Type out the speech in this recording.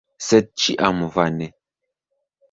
Sed ĉiam vane.